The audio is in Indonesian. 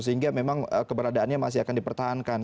sehingga memang keberadaannya masih akan dipertahankan